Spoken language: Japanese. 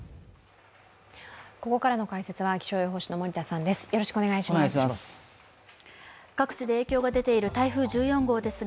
ここからの解説は気象予報士の森田さんです。